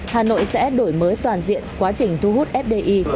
hà nội sẽ đổi mới toàn diện quá trình thu hút fdi